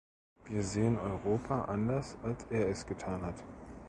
Wir sehen Europa anders als er es getan hat.